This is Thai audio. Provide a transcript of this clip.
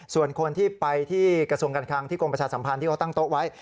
ส่วนคนที่ไปที่กระทรวงการคังที่กรมประชาสัมพันธ์ที่เขาตั้งโต๊ะไว้